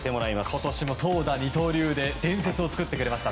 今年も投打二刀流で伝説を作ってくれました。